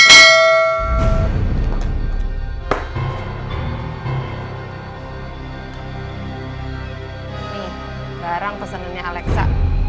nih barang pesenannya alexa